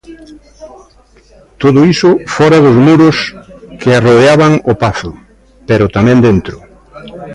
Todo iso fóra dos muros que arrodeaban o Pazo, pero tamén dentro.